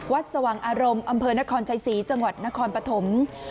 สว่างอารมณ์อำเภอนครชัยศรีจังหวัดนครปฐม